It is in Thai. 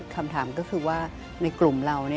คำถามก็คือว่าในกลุ่มเรา